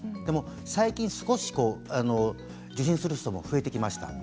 最近、少し受診する人も増えてきました。